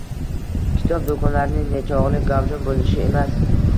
kitob do‘konlarining nechog‘li gavjum bo‘lishi emas